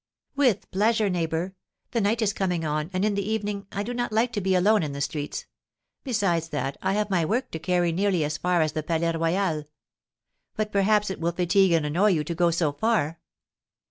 "With pleasure, neighbour. The night is coming on, and, in the evening, I do not like to be alone in the streets; besides that, I have my work to carry nearly as far as the Palais Royal. But perhaps it will fatigue and annoy you to go so far?"